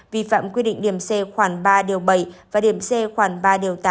vi phạm quy định điểm c khoảng ba bảy và điểm c khoảng ba tám